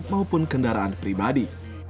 maupun kendaraan pribadi